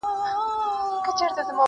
د وجدان يو تلپاتې درد دی،